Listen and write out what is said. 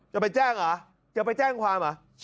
จะไปแจ้งเหรอจะไปแจ้งความเหรอ